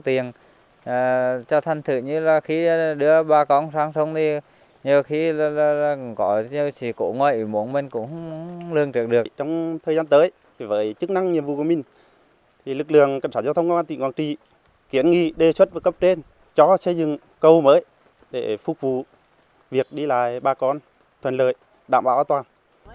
trong thời gian tới với chức năng nhiệm vụ của mình lực lượng cảnh sản giao thông công an tỉnh quảng trị kiến nghị đề xuất và cấp trên cho xây dựng cầu mới để phục vụ việc đi lại bà con thuần lợi đảm bảo an toàn